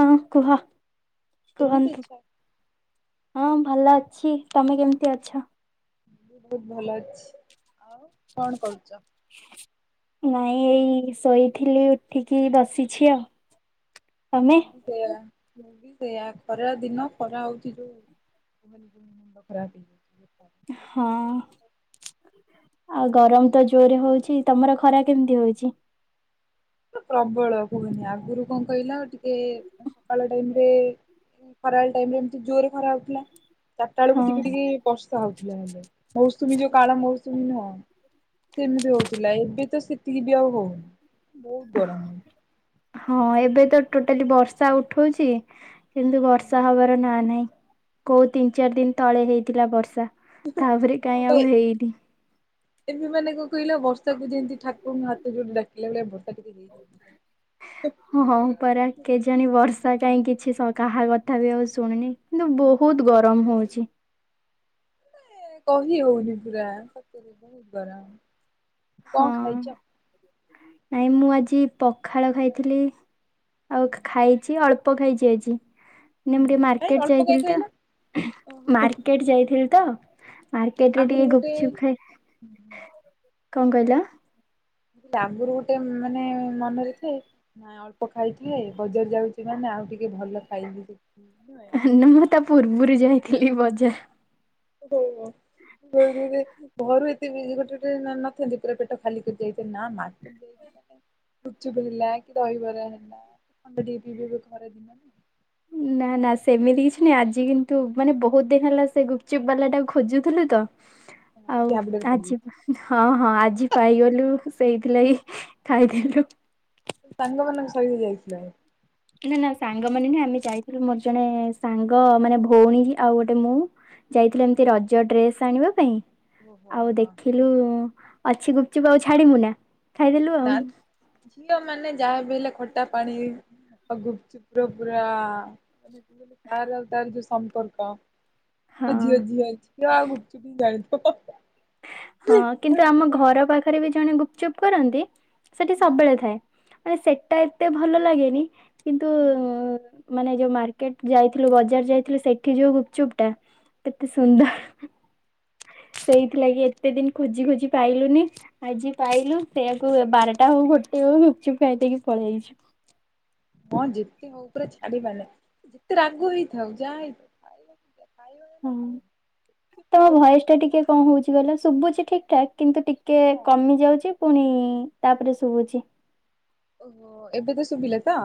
ହଁ କୁହ କେମିତି ଅଛ? କୁହନ୍ତୁ ହଁ ଭଲ ଅଛି ତମେ କେମିତି ଅଛ ବହୁତ ଭଲ ଅଛି ଆଉ କଣ କରୁଛ ନାଇଁ ଏଇ ଶୋଇଥିଲି ଉଠିକି ବସିଛି ଆଉ ତମେ? ମୁଁ ବି ସେଇୟା ମୁଁ ବିି ସେଇୟଆ ଖରା ଦିନ ଖରା ହଉଛି ଯୋଉ [unintelligible] ହଁ ଆଉ ସେଇଆ ଗରମ ତ ବା ଜୋରରେ ହଉଛି ତମର ଖରା କେମିତି ହଉଛି ପ୍ରବଳ କୁହନି ଆଗରୁ କଣ କହିଲା ଟିକେ ସକାଳ ଟାଇମରେ ଖରା ବେଳେ ଟାଇମ ରେ ଏମିତି ଜୋରରେ ଖରା ହଉଥିଲା ଚାରିଟା ବେଳକୁ ହଁ ଟିକେ ଟିକେ ବର୍ଷା ହଉଥିଲା ହେଲେ ମୌସୁମୀ ଯଉ କାଳ ମୌସୁମୀ ନୁହଁ ସେମିତି ହଉଥିଲା ଏବେ ତ ସେତିକି ବି ଆଉ ହଉନି। ବହୁତ ଗରମ ହଁ ଏବେ ତ ଟୋଟାଲି ବର୍ଷା ଉଠଉଛି କିନ୍ତୁ ବର୍ଷା ହବାର ର ନା ନାଇଁ କୋଉ ତିନି ଚାରି ଦିନ ତଳେ ହେଇଥିଲା ବର୍ଷା। ତାପରେ ହଁ କାଇଁ ବା ଆଉ ହେଇନି। ଏବେ ମାନେ କଣ କହିଲ ବର୍ଷାକୁ ଯେମତି ଠାକୁରଙ୍କୁ ହାତ ଯୋଡ଼ିଲା ଭଳିଆ ବର୍ଷା ଟିକେ ହେଇଯାଉ ହେଇଯାଉ। [inaudible] ହଁ ହଁ ପରା କେଜାଣି ବର୍ଷା କାହିଁ କିଛି କାହା କଥା ବି ଆଉ ଶୁଣୁନି। କିନ୍ତୁ ବହୁତ ଗରମ ହଉଚି। କହି ହଉନି ପୁରା ସତରେ ବହୁତ ଗରମ। ହଁ କଣ ଖାଇଛ? ନାଇଁ ମୁଁ ଆଜି ପଖାଳ ଖାଇଥିଲି। ଆଉ ଖାଇଚି ଅଳ୍ପ ଖାଇଚି ଆଜି। ହୁଁ ନିମ୍ ଟିକେ ନାଇଁ ମାର୍କେଟ ଅଳ୍ପ କାଇଁ ଯାଇଥିଲି ତ ଖାଇଲ ମାର୍କେଟ ଯାଇଥିଲି ତ ମାର୍କେଟ ରେ ଆଗରୁ ଟିକେ ଗୋଟେ ଗୁପଚୁପ ଖାଇ ହୁଁ କଣ ହୁଁ। କହିଲ ଆଗରୁ ଗୋଟେ ମାନେ ମନରେ ଥାଏ ନାଇଁ ଅଳ୍ପ ଖାଇଥାଏ ବଜାର ଯାଉଚି ମାନେ ଆଉ ଟିକେ ଭଲ ଖାଇବି ସେଠି। ହେଲେ ମୁଁ ତା ପୂର୍ବରୁ ଯାଇଥିଲି ବଜାର। ହଉ ହଉ। ଘରୁ ଏତେ ଗୋଟେ ଗୋଟେ ନ ନଥାନ୍ତି ପୁରା ପେଟ ଖାଲି କରି ନ ଥାନ୍ତି ନା ନା। ଗୁପ ଚୁପ କି ଦହିିବରା ହେଲା ଥଣ୍ଡା ଟିକେ ପିଦବ ଖରା ଦିନ ନା। ନା ନା ସେମିତି କିଛି ନାହିଁ ଆଜି କିନ୍ତୁ ମାନେ ବହୁତ ଦିନ ହେଲା ସେ ଗୁପଚୁପ୍ ବାଲା ଟାକୁ ଖୋଜୁଥିଲୁ ତ। [inaudible] ଆଉ ଝାବୁଡାରେ ଆଜିି ପଡିଯାଇଛି ବା ହଁ ହଁ ଆଜି ପାଇଗଲୁ ସେଇଥିଲାଗି ଖାଇଥିଲୁ। ସାଙ୍ଗ ମାନଙ୍କ ସହିତ ଯାଇଥିଲା ଆଉ। ନା ନା ସାଙ୍ଗ ମାନେ ନୁଏ ଆମେ ଯାଇଥିଲୁ ମୋର ଜଣେ ସାଙ୍ଗ ମାନେ ଭଉଣୀ ଆଉ ଗୋଟେ ମୁଁ ଯାଇଥିଲୁ ଏମତି ରଜ ଡ୍ରେସ ଆଣିବା ପାଇଁ ଓହୋ। ଆଉ ହଁ। ଦେଖିଲୁ ଅଛି ଗୁପଚପ ଆଉ ଛାଡ଼ମୁଁ ନା ଖାଇଦେଲୁ ଆଉ। ନା ଝିଅ ମାନେ ଯାହାବି ହେଲେ ଖଟା ପାଣି ଆଉ ଗୁପଚୁପର ପୁରା [unintelligible] ତାର ଆଉ ତାର ଯୋଉ ସମ୍ପର୍କ ହଁ ଗୋଟେ ଝିଅ ଝିଅ ଝିଅ ଆଉ ଗୁପଚୁପ ହିଁ ଜାଣି ଥିବ। ହଁ କିନ୍ତୁ ଆମ ଘର ପାଖରେ ବି ଜଣେ ଗୁପଚୁପ କରନ୍ତି ସେଠି ହୁଁ ସବବେଳେ ଥାଏ। ମାନେ ସେଟା ଏତେ ଭଲ ଲାଗେନି କିନ୍ତୁ ହୁଁ। ଉଁ ମାନେ ଯୋଉ ମାର୍କେଟ ଯାଇଥିଲୁ ବଜାର ଯାଇଥିଲୁ ସେଇଠି ଯୋଉ ଗୁପଚୁପ୍ ଟା ଏତେ ହୁଁ। ସୁନ୍ଦର ସେଇଥିଲାଗି ଏତେ ଦିନ ଖୋଜି ଖୋଜି ପାଇଲୁନି। ଆଜି ପାଇଲୁ ସେଇଆକୁ ବାରଟା ହଉ ଗୋଟେ ହଉ ଗୁପଚୁପ ଖାଇ ଦେଇକି ପଳେଇ ଅଇଛୁ। ହଁ ଯେତେ ହଉ ପୁରା ଛାଡିବନି ପ ଯେତେ ରାଗ ହେଇଥାଉ ଯାହା ହେଇଥାଉ ଖାଇବା ଖାଇବା ମାନେ ହଁ ଖାଇବା ତମ ଭୟସ ଟା ଟିକେ ଙ୍କ ହଉଚି କହିଲ ଶୁଭୁଛି ଠିକ ଠାକ କିନ୍ତୁେ ଟି କେ କମି ଯାଉଚି ପୁଣି ତାପରେ ଶୁଭୁଚି। ଓହୋ ଏବେ ତ ଶୁଭିଲା ତ।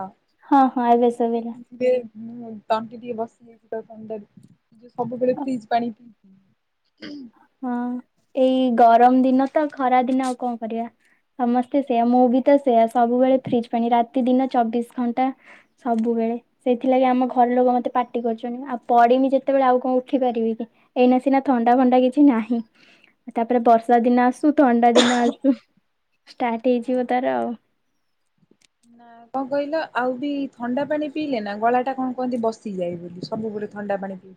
ହଁ ହଁ ଏବେ ଶୁବିଲା। ଟେଇ ଉଁ ତଣ୍ଟି ଟିକେ ବସିଯାଇଚି ତ ଥଣ୍ଡାରୁ ଯୋଉ ସବୁବେଳେ ଫ୍ରିଜ ପାଣି ପିଇ ପିଇ ହଁ ଏଇ ଗରମ ଦିନ ତ ଖରା ଦିନ ଆଉ ଙ୍କ କରିବା। ସମସ୍ତେ ସେଇୟା ମୁଁ ବି ତ ସେଇୟା ସବୁବେଳେ ଫ୍ରିଜ ପାଣି ରାତି ଦିନ ଚବିଶ ଘଣ୍ଟା ସବୁବେଳେ। ସେଇଥିଲାଗି ଆମ ଘର ଲୋକ ମତେ ପାଟି କରୁଛନ୍ତି ଆଉ ପଡମି ଯେତେବେଳେ ଆଉ ଙ୍କ ଉଠି ପାରିବି କି। ଏଇନା ସିନା ଥଣ୍ଡା ଫଣ୍ଡା କିଛି କି ନାହିଁ ତାପରେ ବର୍ଷା ଦିନ ଆସୁ ଥଣ୍ଡା ଦିନ ଆସୁ ଷ୍ଟାର୍ଟ ହେଇଯିବ ତାର ଆଉ ନା ଙ୍କ କହିଲ ଆଉ ବି ଥଣ୍ଡା ପାଣି ପିଇଲେ ନା ଗଳା ଟା ଙ୍କ କୁହନ୍ତି ବସିଯାଏ ବୋଲି ସବୁବେଳେ ଥଣ୍ଡା ପାଣି ପିଇ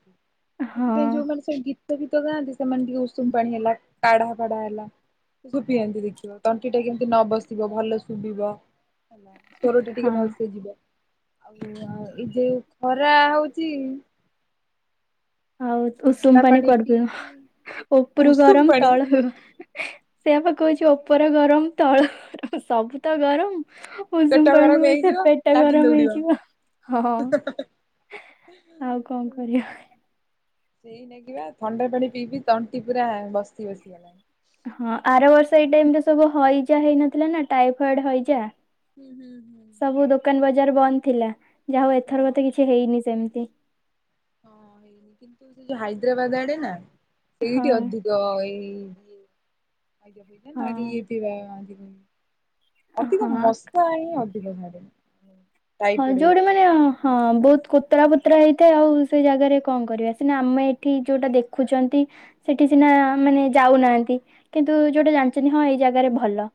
ହଁ ସେଥିପାଇଁ ଯୋଉ ମାନେ ସବୁ ଗୀ ଗୀତ ଫିତ ଗାନ୍ତି ସେମାନେ ଟିକେ ଉସୁମ ପାଣି ହେଲା କାଢ଼ା ଫାଡ଼ା ହେଲା ଆକୁ ସବୁ ପିଅନ୍ତି ଦେଖିବ ତଣ୍ଟି ଟା କେମିତି ନ ବସିବ ଭଲ ଶୁଭିବ ହେଲା ସୋରୋ ଟା ଟିକେ ହଁ ଭଲ୍ ସେ ଯିବ ଆଉ ଆଉ ଏଇ ଯୋଉ ଖରା ହୋଉଛି ଆଉ ଉଷୁମ ଥଣ୍ଡା ପାଣି କୁଆଡୁ ପିଇ ପିଇ ପିଇବ ଉପୁରୁ ଉଷୁମ ଗରମ ପାଣି ତଳ ହ ସେଇଆ ପା କୋହୁଛି ଓପର ଗରମ ତଳ ଗରମ୍ ସବୁ ତ ଗରମ ଉଷୁମ ପେଟ ଗରମ ପାଣି ସେ ହେଇଯିବ ପେଟ ଟା ଲାଟିନ୍ ଗରମ ହେଇଯିବ ହଁ ହ ଆଉ କଣ ହଁ ହ କରିବା ସେଇ ନାଗି ପା ଥଣ୍ଡା ପାଣି ପିଇ ପି ତଣ୍ଟି ପୁରା ବସି ଗଲାଣି ହଁ ଆର ବର୍ଷ ଏଇ ଟାଇମ ରେ ସବୁ ହଇଜା ହେଇନଥିଲା ନା ଟାଇଫଏଡ ହଇଜା ହୁଁ ହୁଁ ହୁଁ ସବୁ ଦୋକାନ ବଜାର ବନ୍ଦ ଥିଲା ଯାହା ହଉ ହଁ ଏଥର କେ କିଛି ହେଇନି ସେମତି ହଁ ହେଇନି କିନ୍ତୁ ସେ ଯୋଉ ହାଇଦ୍ରାବାଦ ଆଡେ ନା ହଁ ସେଇଠି ଅଧି ହଁ [unintelligible] ଅବିକା ହଁ ମସା ହିଁ ଅଧିକ ଭାରେ। ହଁ ଯୋଉଠି ମାନେ। ହଁ ବହୁତ୍ କୋତରା ପୋତରା ହେଇଥାଏ ଆଉ ସେଇ ଜାଗାରେ କଣ କରିବା ସିନା ଆମେ ଏଠି ଯୋଉଟା ଦେଖୁଚନ୍ତି। ସେଠି ସିନା ମାନେ ଯାଉନାହାନ୍ତି କିନ୍ତୁ ଯୋଉଟା ଜାଣିଚନ୍ତି ହଁ ଏଇ ଜାଗାରେ ଭଲ।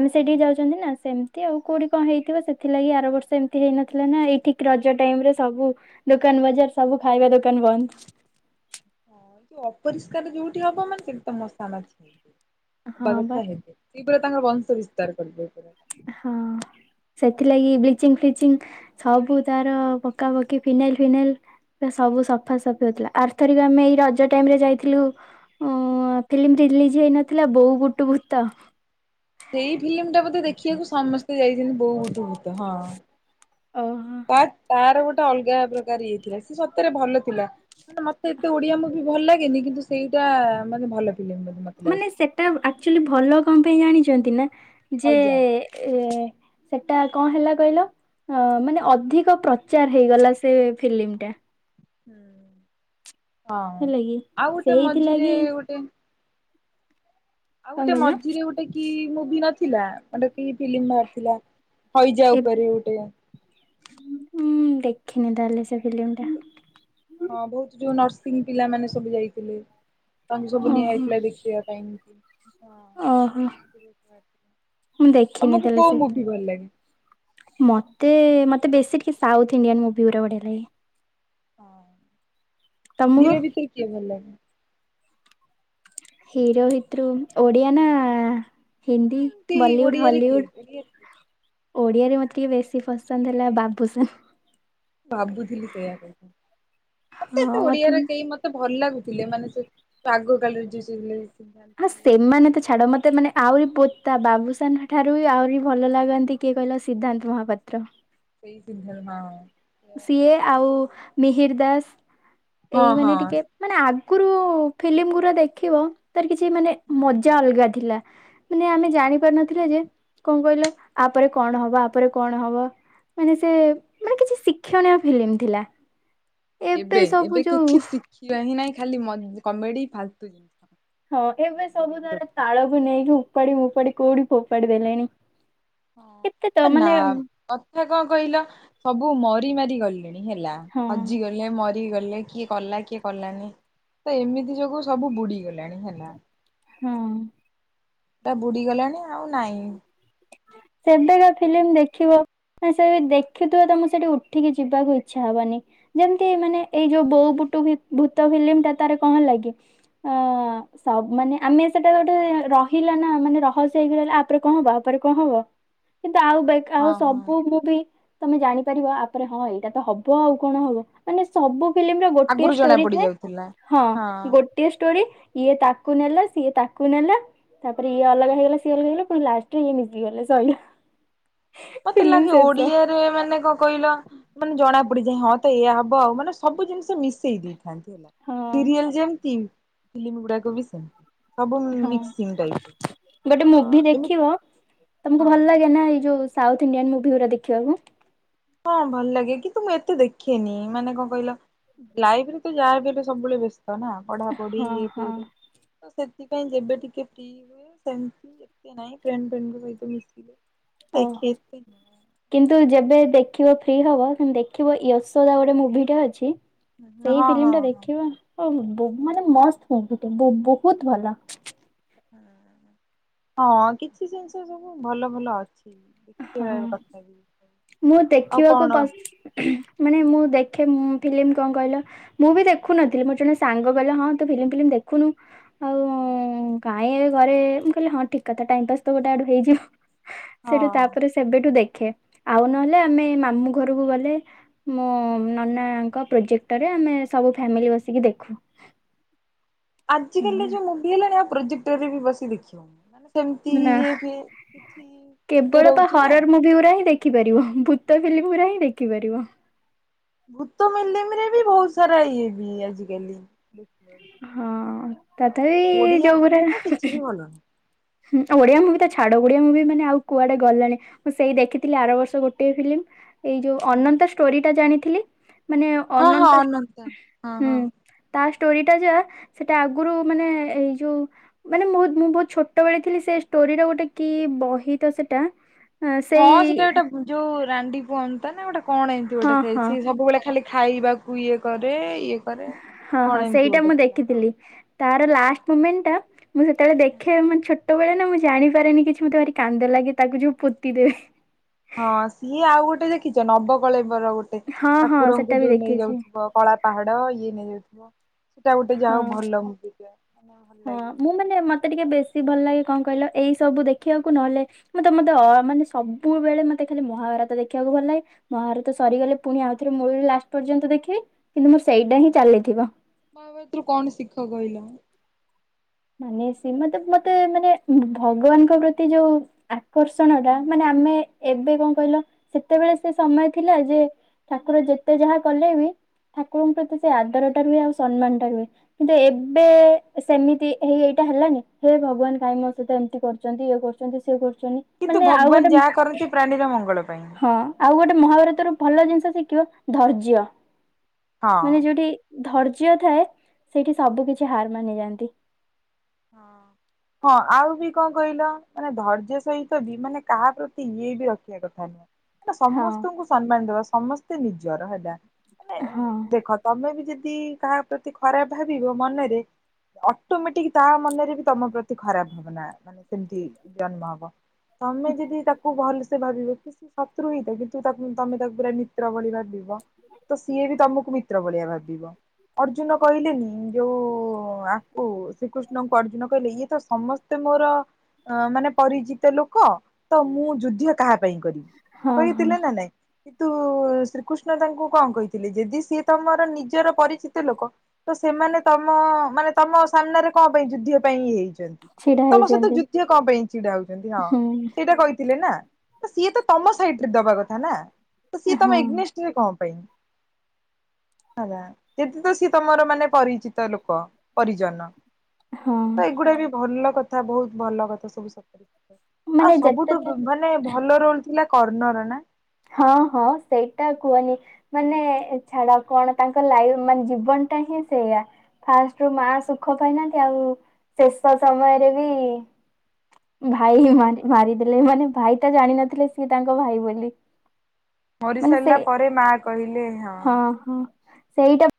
ଆମେ ହଁ ସେଇଠିକି ଯାଉଚନ୍ତି ନା ସେମତି ଆଉ କୋଉଠି କଣ ହେଇଥିବ ସେଥିଲାଗି ଆର ବର୍ଷ ଏମ୍ ତି ହେଇନଥିଲା ନା ଏଇ ଠିକ୍ ରଜ ଟାଇମ ରେ ସବୁ ଦୋକାନ୍ ବଜାର୍ ସବୁ ଖାଇବା ଦୋକାନ ବନ୍ଦ୍। ହଁ ଏ ଯୋଉ ଅପରିଷ୍କାର ଯୋଉଠି ହବ ମାନେ ସେ ତ ମଶା ମାଛି ହେବେ ହବା ହଁ ବା କଥା ହେବେ। ସେ ପୁରା ତାଙ୍କର ବଂଶ ବିସ୍ତାର କରିବେ ପରା। ହଁ। ସେଥିଲାଗି ବ୍ଲିଚିଙ୍ଗ୍ ଫ୍ଲିଚିଙ୍ଗ୍ ସବୁ ତାର ପକାପକି ଫିନାଇଲ୍ ଫିନାଇଲ୍। ବା ସବୁ ସଫାସଫି ହଉଥିଲା ଆର୍ଥରିକ ଆମେ ଏଇ ରଜ ଟାଇମ୍ ରେ ଯାଇଥିଲୁ। ଓ ଫିଲ୍ମ ରିଲିଜ ହେଇନଥିଲା ବୋଉ ବୁଟୁ ଭୂତ। ସେଇ ଫିଲ୍ମ ଟା ବୋଧେ ଦେଖିବାକୁ ସମସ୍ତେ ଯାଇଛନ୍ତି ବୋଉ ବୁଟୁ ଭୁତ ହଁ। ଓହୋ। ତା ତାର ଗୋଟେ ଅଲଗା ପ୍ରକାର ଇଏ ଥିଲା ସେ ସତରେ ଭଲ ଥିଲା। ମାନେ ମତେ ଏତେ ଓଡିଆ ମୁଭି ଭଲ ଲାଗେନି କିନ୍ତୁ ସେଇଟା ମାନେ ଭଲ ଫିଲ୍ମ ବୋଲି ମତେ ଲାଗୁଚି। ମାନେ ସେଟା ଆକ୍ଚୁଆଲି ଭଲ କଣ ପାଇଁ ଜାଣିଚନ୍ତି ନା ଯେ ଅଇଜା ଏ। ସେଟା କଣ ହେଲା କହିଲ ମାନେ ଅଧିକ ପ୍ରଚାର ହେଇଗଲା ସେ ଫିଲିମ୍ ଟା। ହୁଁ ହଁ ହେଲା କି ଆଉ ଗୋଟେ ମଝିରେ ସେଇଥିଲାଗି ଗୋଟେ। ଆଉ କଣ ଗୋଟେ କହିଲ ମଝିରେ ଗୋଟେ କି ମୁଭି ନଥିଲା ଗୋଟେ କି ଫିଲ୍ମ ମ ଅଥିଲା। ହଇଜା ଏବେ ଉପରେ ଗୋଟେ। ମୁଁ ଦେଖିନି ତାହେଲେ ସେ ଫିଲ୍ମ ଟା। ହଁ ବହୁତ୍ ଯୋଉ ନର୍ସିଂ ପିଲାମାନେ ସବୁ ଯାଇଥିଲେ। ତାଙ୍କ ସବୁ ନିଆ ଓହୋ ହେଇଥିଲା ଦେଖିବା ପାଇଁଁ କି ହଁ। ଓହୋ। ମୁଁ ଦେଖିନି ତମକୁ ତାହେଲେ ସେ କୋଉ ମୁଭି ଫିଲ୍ମ ଭଲ ଲାଗେ? ମତେ ମତେ ବେଶୀ ଟିକେ ସାଉଥ ଇଣ୍ଡିଆନ୍ ମୁଭି ଗୁୁରା ବଢିଆ ଲାଗେ। ତମକୁ ହିରୋ ଭିତରୁ କିଏ ଭଲ ଲାଗେ? ହିରୋ ଭିତରୁ ଓଡ଼ିଆ ନା। ହିନ୍ଦୀ ଏମିତି ବଲିଉଡ ଓଡିଆରେ କିଏ ହଲିଉଡ? ଓଡିଆରେ ଓଡ଼ିଆରେ ମୋତେ ଟିକେ ବେଶୀ ପସନ୍ଦ ହେଲା ବାବୁସାନ। ଭାବୁଥିଲି ସେୟା କହିବ ମତେ ଏତେ ଓଡିଆରେ କେହି ମ ତେ ଭଲ ଲାଗୁଥିଲେ ମାନେ ସେ ଆଗ କାଳରେ ଯେ ସେ। [unintelligible] ହଁ ସେମାନେ ତ ଛାଡ଼ ମତେ ମାନେ ଆହୁରି ପୋତା ବାବୁସାନଙ୍କ ଠାରୁ ବି ଆହୁରି ଭଲ ଲାଗନ୍ତି କିଏ କହିଲ ସିଦ୍ଧାନ୍ତ ମହାପାତ୍ର। ସେଇ ସିଦ୍ଧା ହଁ ହଁ। ସିଏ ଆଉ ମିହିର ଦାସ ହଁ ହଁ ଏଇ ହଁ ମାନେ ଟିକେ। ମାନେ ଆଗୁରୁ ଫିଲ୍ମ ଗୁରା ଦେଖିବ ତାର କିଛି ମାନେ ମଜା ଅଲଗା ଥିଲା। ମାନେ ଆମେ ଜାଣିପାରୁନ ଥିଲେ ଯେ କଣ କହିଲ ଆପରେ କଣ ହବ ଆପରେ କଣ ହବ ମାନେ ସେ। କ୍ଷଣୀୟ ଫିଲ୍ମ ଥିଲା। ଏବେ ସବୁ ଏବେ ଯୋଉ କିଛି ଶିଖିବା ହିଁ ନାହିଁ ଖାଲି ମ କମେଡି ଫାଲତୁ ଜିନିଷ। ହଁ ଏବେ ସବୁ ଧରିକି ଥର ରଖ ତାଳକୁ ନେଇକି ଉପାଡି ମୁପାଡି କୋଉଠି। ଫୋପାଡି ଦେଲେଣି କେତେ ତ ମାନେ। ହେ କଣ କହିଲ ସବୁ ମରି ମାରି ଗଲେଣି ହେଲା ହଁ ହଜିଗଲେ ମ କିଏ ଗଲେ କିଏ କଲା କିଏ କଲାନି ତ ଏମିତି ଯୋଗୁ ସବୁ ବୁଡିଗଲାଣି ହେଲା। ହଁଉଁ। ହେଟା ବୁଡ଼ିଗଲାଣି ଆଉ ନାଇଁ। ଏବେକା ଫିଲିମ୍ ଦେଖିବ। ନା ସେଇଠି ଦେଖିଥୁବ ତମୁକୁ ସେଠି ଉଠିକି ଯିବାକୁ ଇଚ୍ଛା ହବନି। ଯେମତି ମାନେ ଏଇ ଯୋଉ ବୋଉ ବୁଟୁ ଭି ଭୂତ ଫିଲିମ୍ ଟା ତାର କଁ ହେଲା କି ଅଁ ସବ୍ ମାନେ ଆମେ ସେଟା ଗୋଟେ ରହିଲା ନା ମାନେ ରହସ୍ୟ ହେଇକି ରହିଲା। ଆପରେ କଁ ହବ ଆପରେ କଁ ହବ? କିନ୍ତୁ ଆଉ ବେଖା ହଁ ହଉ ହଁ ସବୁ ମୁଭି। ତମେ ଜାଣିପାରିବ ଆପରେ ହଁ ଏଇଟା ତ ହବ ଆଉ କଣ ହବ। ମାନେ ସବୁ ଫିମ୍ଲି ର ଗୋଟିଏ ଆଗରୁ ଜଣା ଷ୍ଟୋରି ପଡି ଥାଏ, ଯାଉଥିଲା ହଁ ଗୋ ଟିଏ ଷ୍ଟୋରି ଇଏ ତାକୁ ନେଲା ସିଏ ତାକୁ ନେଲା ତାପରେ ଇଏ ଅଲଗା ହେଇଗଲା ସିଏ ଅଲଗା ହେଇଗଲା। ଲାଷ୍ଟ କୁ ଇଏ ମିଶିଗଲେ ସଇଲା। ମତେ ଫିଲ୍ମ ଲାଗେ ଶେଷ। ଓଡିଆରେ ମାନେ କଁ କଇଲ? ମାନେ ଜଣା ପଡିଯାଏ ହଁ ତ ଏଇଆ ହବ ଆଉ ମାନେ ସବୁ ଜିନିଷ ମିଶେଇ ଦିଏ। ହଁ ସିରିଏଲ ଯେମତି ଫଲିମ୍ ଗୁଡାକ ବି ସେମତି। ହଁ, ଗୋଟେ ମୁଭି ଏମିତି ଦେଖିବ ତମୁକୁ ହଁ ଭଲ ଲାଗେ ନା ଏଇ ଯୋଉ ସାଉଥ୍ ଇଣ୍ଡିଆନ୍ ମୁଭି ଗୁରା ଦେଖିବାକୁ? ହଁଅଁ ଭଲ୍ ଲାଗେ କିନ୍ତୁ ମୁଁ ଏତେ ଦେଖେନି, ମାନେ କଁ କଇଲ? ଲାଇଫରେ ତୁ ଯାହା ବି ହେଲେ ସବୁବେଳେ ବ୍ୟେସ୍ତ ନା ପଢା ପଢି ହଁ ଇଏ ହଁ। ସିଏ ରେ। ତ ସେଥିପାଇଁ ଯେବେ ଟିକେ ଫ୍ରି ହୁଏ ସେମତି। ନାଇଁ ପ୍ରେଣ୍ଡ ଫେଣ୍ଡଙ୍କ ସହିତ ମିଶିଲେ ଓହୋ [unintelligible] କିନ୍ତୁ ଯେବେ ଦେଖିବ ଫ୍ରି ହବ କିନ୍ତୁ ଦେଖିବ ୟଶୋଦା ଗୋଟେ ମୁଭିଟେ ଅଛି। ସେଇ ହଁ ଫିଲିମ୍ ହଁ ଟା ହଁ। ଦେଖିବ ବ ମାନେ ମସ୍ତ ବୋ ବୋହୁତ୍ ଭଲ। ହଁଅଁ କିଛି ଜିନିଷ ସବୁ ଭଲ ଭଲ ଅଛି। ଦେଖିବା କଥା ବି। ହହଁଅଁ ମୁଁ ଆଉ ଦେଖିବାକୁ କଣ ପସ୍ ମାନେ ମୁଁ ଦେ ଖେ ମୁଁ ଫିମ୍ଲି କଁ କଇଲ? ମୁଁ ବି ଦେଖୁନଥିଲି ମୋର ଜଣେ ସାଙ୍ଗ କଇଲା ହଁ ତୁ ଫିଲିମ ଫିଲିମ୍ ଦେଖୁନୁ ହଉ। [inaudible] କାଇଁ ଏବେ ଘରେ ମୁଁ କଇଲି ହଁ ଠିକ୍ କଥା ଟାଇମ୍ ପାସ୍ ତ ଗୋଟେ ଆଡୁ ହେଇଯିବ। ସେଠୁ ହଁ। ତାପରେ ସେବେଠୁ ଦେଖେ, ଆଉ ନହେଲେ ଆମେ ମାମୁଁ ଘରୁକୁ ଗଲେ ମୋ ନନା ଙ୍କ ପ୍ରୋଜେକ୍ଟରେ ଆମେ ସବୁ ଫ୍ୟାମିଲି ବସିକି ଦେଖୁ। ଆଜିିକାଲି ଏଇଆ। ଯୋଉ ମୁଭି ହେଲାଣି ଆଉ ପ୍ରୋଜେକ୍ଟେରେ ବି ବସି ଦେଖି ହୋଉନି ହେଲା। ନାଁ ହା ଇଏ କେବଳ ପା ରହୁଛି ନା। ହରର ମୁଭି ଗୁରା ହିଁ ଦେଖି ଖିପାରିବ, ଭୂତ ଫିଲ୍ମ ପୁରା ହିଁ ଦେଖିପାରିବ। ଭୂତ ମିଲିମରେ ବି ଭୋଉତ୍ ସାରା ଇଏ ବି ଆଜିକାଲି। ଦେଖିବ, ହଁ ତଥାପି ଆଉ ଓଡିଆ ମୁଭି ତ କିଛି ଯୋଉଗୁରା ବି ଭଲ ନୁହଁ। ହୁଁ ଓଡିଆ ମୁଭି ତ ଛାଡ ଓଡିଆ ମୁଭି ମାନେ ଆଉ କୁଆଡେ ଗଲାଣି। ମୁଁ ସେଇ ଦେଖିଥିଲି ଆର ବର୍ଷ ଗୋଟିଏ ଫିଲ୍ମ ଏଇ ଯୋଉ ନୁହଁ। ଅନନ୍ତ ଷ୍ଟୋରି ଟା ଜାଣିଥିଲି। ମାନେ ହଁ ହଁ ଅନନ୍ତ ଅନନ୍ତା ହଁ ହୁଁ ହଁ। ତା ଷ୍ଟୋରି ଟା ଯା ସେଟା ଆଗୁରୁ ମାନେ ଏଇ ଯୋଉ ମାନେ ମୁଁ ମୁଁ ବହୁତ ଛୋଟବେଳେ ଥିଲି ସେ ଷ୍ଟୋରିର ଗୋଟେ କି ବହି ତ ସେଟା। ଆଁ, ହଁ ସେଇ ସେଟା ଗୋଟେ ଉ ଯୋଉ ରାଣ୍ଡି ପୁଅ ଅନ୍ତା ନା ଗୋଟେ କଣ ଏମତି ହଁ ଗୋଟେ ସେଇ ହଁ ସେ ସବୁବେଳେ ଖାଲି ଖାଇବାକୁ ଇଏ କରେ। ଇଏ କରେ ହଁ କଣ ହଁ ଏମିତି ସେଇଟା ଗୋଟେ ମୁଁ ଥିଲା ହଁ। ଦେଖିଥିଲି। ତାର ଲାଷ୍ଟ୍ ମୁମେଣ୍ଟ ଟା ମୁଁ ସେତେବେଳେ ଦେଖେ ମାନେ ଛୋଟ୍ ଛୋଟ ବେଳେ ନା ମୁଁ ଜାଣିପାରେନି କିଛି ମୋତେ ଭାରି କାନ୍ଦ ଲାଗେ ତାକୁ ଯୋଉ ପୋତି ଦେବେ। ହଁ ସିଏ ଆଉ ଗୋଟେ ଦେଖିଚ ନବକଳେବର ଗୋଟେ ହଁ ହଁ ସେଟା ଠାକୁରଙ୍କୁ ବି ଯୋଉ ଦେଖିଛି ନେଇଯାଉଥିବ କଳା ପାହାଡ ଇଏ ନେଇଯାଉଥିବ ସେଟା ଗୋଟେ ଯାହା ହଁ ହଉ ଭଲ ମୁଭି ଟେ। ମାନେ ଭଲ ହଁ ଲାଗେ। ମୁଁ ମାନେ ମତେ ଟିକେ ବେଶୀ ଭଲ ଲାଗେ କଣ କହିଲ ଏଇ ସବୁ ଦେଖିବାକୁ ନହେଲେ ମତେ ମତେ ଅ ଆ ମାନେ ସବୁବେଳେ ମତେ ଖାଲି ମହାଭାରତ ଦେଖିଆକୁ ଭଲ ଲାଗେ। ମହାଭାରତ ସରିଗଲେ ପୁଣି ଆଉଥରେ ମୁୂଳୁରୁ ଲାଷ୍ଟ୍ ପର୍ଯ୍ୟନ୍ତ ଦେଖିବି କିନ୍ତୁ ମୋର ସେଇଟା ହିଁ ଚାଲିଥିବ। ମହାଭାରତ ରୁ କଣ ଶିଖ କହିଲ। ମାନେ ସି ମତେ ମତେ ମାନେ ଭଗବାନଙ୍କ ପ୍ରତି ଯୋଉ ଆ କର୍ଷଣ ଟା ମାନେ ଆମେ ଏବେ କଁ କହିଲ ସେତେବେଳେ ସେ ସମୟ ଥିଲା ଯେ ଠାକୁର ଯେତେ ଯାହା କଲେ ବି ଠାକୁରଙ୍କ ପ୍ରତି ସେ ଆଦରଟା ରୁହେ ଆଉ ସମ୍ମାନ ଟା ରୁହେ କିନ୍ତୁ ଏବେ ସେମିତି ଏଇ ଏଇଟା ହେଲାନି ହେ ଭଗବାନ କାଇଁ ମୋ ସହିତ ଏମିତି କରିଚନ୍ତି ଇଏ କରିଚନ୍ତି ସିଏ କରିଚନ୍ତି। କିନ୍ତୁ ଭଗବାନ୍ ଯା କରନ୍ତି ପ୍ରାଣୀର ମଙ୍ଗଳ ପାଇଁ। ହଁ ଆଉ ଗୋଟେ ମହାଭାରତ ର ଭଲ ଜିନିଷ ଶିଖିବ ଧୈର୍ଯ୍ୟ ହଁ। ମାନେ ଯୋଉଠି ଧୈର୍ଯ୍ୟ ଥାଏ ସେଇଠି ସବୁ କିଛି ହାର ମାନିଯାଆନ୍ତି। ହଁ ହଁ। [inaudible] ହଁ ଆଉ ବି କଁ କହିଲ କଥା। [inaudible] ତ ହଁ ସମସ୍ତଙ୍କୁ ସମ୍ମାନ ଦେବା ସମସ୍ତେ ନିଜର ହେଲା ମାନେ ହଁ ଦେଖ ତମେ ବି ଯଦି କାହା ପ୍ରତି ଖରାପ ଭାବିବ ମନରେ ଅଟୋ ମେଟିକ୍ ତା ମନରେ ବି ତମ ପ୍ରତି ଖରାପ ଭାବନା ମାନେ ସେମିତି ଜନ୍ମ ହବ। ତମେ ଯଦି ତାକୁ ଭଲସେ ଭାବିବ କି ଶତ୍ରୁ ହେଇଥାଉ କିନ୍ତୁ ତାକୁ ତମେ ତାକୁ ପୁରା ମିତ୍ର ଭଳି ଭାବିବ। ତ ସିଏ ବି ତୁମ କୁ ମି ତ୍ର ଭଳିଆ ଭାବିବ ଅର୍ଜୁନ କହିଲେନି ଯୋଉ ଆକୁ ଶ୍ରୀକୃଷ୍ଣଙ୍କୁ ଅର୍ଜୁନ କହିଲେ ଇଏ ତ ସମସ୍ତେ ମୋର। ଅ ମାନେ ପରିଚିତ ଲୋକ ତ ମୁଁ ଯୁଦ୍ଧ କାହା ପାଇଁ କରିବି। ହଁ ହଁ। କହିଥିଲେ ନା ନାଇଁ। କିନ୍ତୁ ଶ୍ରୀକୃଷ୍ଣ ତାଙ୍କୁ କଁ କହିଥିଲେ ଯଦି ସିଏ ତମର ନିଜର ପରିଚିତ ଲୋକ ତ ସେମାନେ ତମ ମାନେ ତମ ସାମ୍ନାରେ କଣ ପାଇଁ ଯୁଦ୍ଧ ପାଇଁ ଇଏ ହେଇଚି। ଛିଡା ତମ ସହିତ ହେଇଛନ୍ତି ଯୁଦ୍ଧ କଁ ପାଇଁ ଛିଡା ହଉଚନ୍ତି ହଁ ହୁଁ ସେଇଟା କହିଥିଲେ ନା। ସିଏ ତ ତମ ସାଇଟିରେ ଦବା କଥା ନା ତ ସିଏ ହଁ ତମ ଇଗନେଷ୍ଟରେ କଁ ପାଇଁ। ଯଦି ତ ସିଏ ତମର ମାନେ ପରିଚିତ ଲୋକ ପରିଜନ ହଁ। ତ ଏଗୁଡା ବି ଭଲ କଥା ବହୁତ ଭଲ କଥା ସବୁ ସତ ମାନେ ଆଉ ଯେତେ ସବୁଠୁ ଥର ମା ମାନେ ଭଲ ରହୁଥିଲା କର୍ଣ୍ଣର ନା। ହଁ ହଁ ସେଇଟା କୁଅନି। ମାନେ ଛାଡ କଣ ତାଙ୍କ ଲାଇଫ୍ ମାନେ ଜୀବନ ଟା ହିଁ ସେଇଆ। ଫାଷ୍ଟ୍ ରୁ ମା ସୁଖ ପାଇନାହାନ୍ତି ଆଉ ଶେଷ ସମୟରେ ବି ଭାଇ ହି ମାନେ ମାରିଦେଲେ ମାନେ ଭାଇ ଟା ଜାଣିିନଥିଲେ ସିଏ ତାଙ୍କ ଭାଇ ବୋଲି। ମରି ମାନେ ସେ ସାରିଲା ପରେ ମା କହିଲେ ହଁ। ହଁ ସେଇଟା